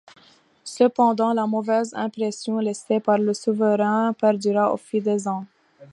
Cependant la mauvaise impression laissée par le souverain perdura au fil des ans.